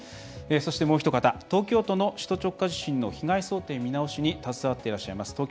そして、もうひと方東京都の首都直下地震の被害想定見直しに携わっていらっしゃいます